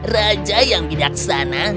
raja yang bidaksana